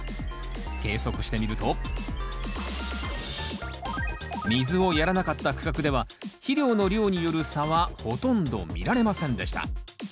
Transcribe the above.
計測してみると水をやらなかった区画では肥料の量による差はほとんど見られませんでした。